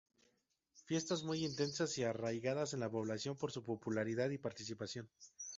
Fiestas muy intensas y arraigadas en la población por su popularidad y participación.